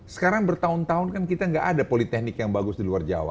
sekarang bertahun tahun kan kita nggak ada politeknik yang bagus di luar jawa